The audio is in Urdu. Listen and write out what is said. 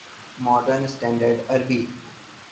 modern standard Arabi